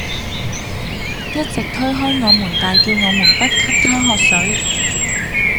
一直推開我們大叫我們不給她喝水